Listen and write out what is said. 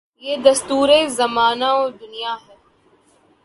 یہ دستور زمانہ و دنیاہے۔